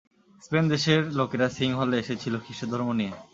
স্পেন-দেশের লোকেরা সিংহলে এসেছিল খ্রীষ্টধর্ম নিয়ে।